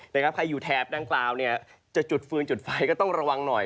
ใครอยู่แถบด้านกลางจะจุดฟื้นจุดไฟก็ต้องระวังหน่อย